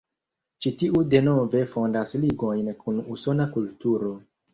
Ĉi tiu denove fondas ligojn kun Usona kulturo.